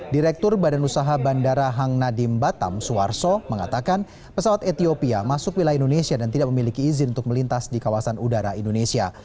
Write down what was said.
direktur badan usaha bandara hang nadiem batam suarso mengatakan pesawat ethiopia masuk wilayah indonesia dan tidak memiliki izin untuk melintas di kawasan udara indonesia